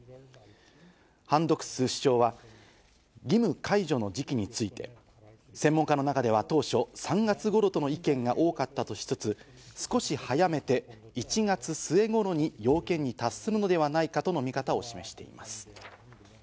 ハン・ドクス首相は義務解除の時期について専門家の中では当初、３月頃との意見が多かったとしつつ、少し早めて１月末頃に要件に達するのではないかとの見方も示しています。